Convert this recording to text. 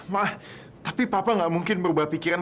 ma tapi papa nggak mungkin berubah pikiran